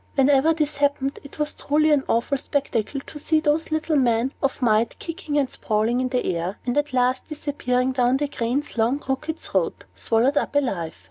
Whenever this happened, it was truly an awful spectacle to see those little men of might kicking and sprawling in the air, and at last disappearing down the crane's long, crooked throat, swallowed up alive.